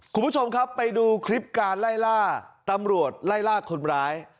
คุณผู้ชมครับไปดูคลิปการไล่ล่าตำรวจไล่ล่าคนร้าย